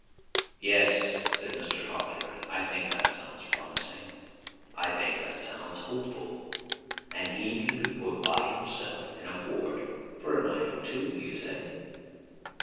'Yes,' said Mr. Hawkyard. 'I think that sounds promising; I think that sounds hopeful. And he can be put by himself in a ward, for a night or two, you say?